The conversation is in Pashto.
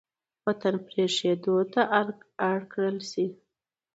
وطـن پـرېښـودو تـه اړ کـړل شـي.